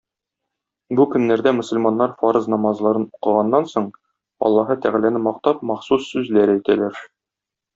Бу көннәрдә мөселманнар фарыз намазларын укыганнан соң, Аллаһы Тәгаләне мактап махсус сүзләр әйтәләр.